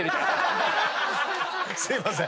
すいません！